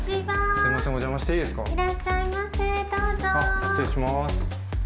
失礼します。